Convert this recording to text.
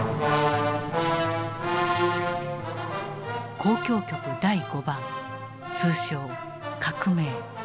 交響曲第５番通称「革命」。